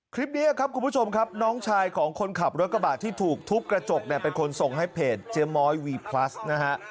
คลิปนี้ครับคุณผู้ชมครับน้องชายของคนขับรถกระบะที่ถูกทุบกระจกเนี่ยเป็นคนส่งให้เพจเจ๊ม้อยวีพลัสนะฮะ